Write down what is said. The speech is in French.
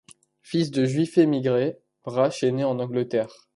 Fils de Juifs émigrés, Brasch est né en Angleterre.